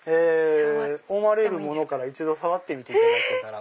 思われるものから一度触ってみていただけたら。